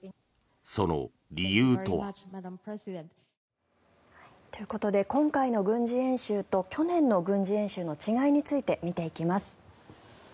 その理由とは。ということで今回の軍事演習と去年の軍事演習の違いについてみていきます。